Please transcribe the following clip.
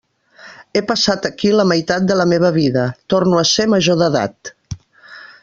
He passat aquí la meitat de la meva vida, torno a ser major d'edat.